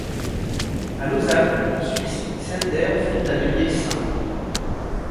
À Lausanne, en Suisse, Sendler fonde l' Atelier St.